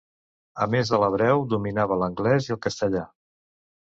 A més de l'hebreu, dominava l'anglès i el castellà.